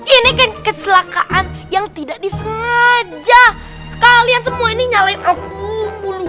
ini kan kecelakaan yang tidak disengaja kalian semua ini nyalain aku dulu